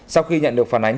sau khi nhận được phản ánh